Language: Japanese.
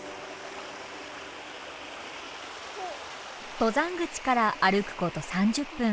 登山口から歩くこと３０分。